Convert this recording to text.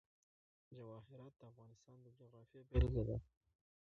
جواهرات د افغانستان د جغرافیې بېلګه ده.